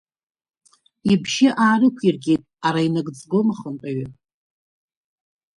Ибжьы аарықәиргеит араинагӡком ахантәаҩы.